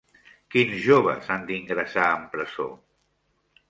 Quins joves han d'ingressar en presó?